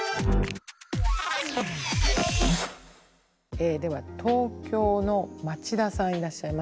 えでは東京のまちださんいらっしゃいますか？